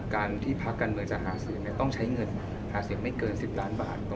การที่พักการเมืองจะหาเสียงต้องใช้เงินหาเสียงไม่เกิน๑๐ล้านบาท